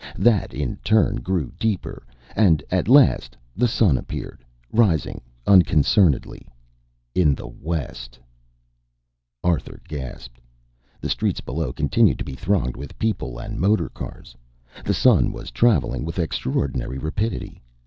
That, in turn, grew deeper, and at last the sun appeared, rising unconcernedly in the west. Arthur gasped. The streets below continued to be thronged with people and motor cars. The sun was traveling with extraordinary rapidity.